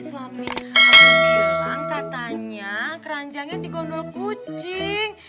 suami aku bilang katanya keranjangnya di gondol kucing